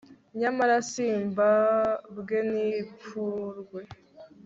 nyamara simbabwe n'ifurwe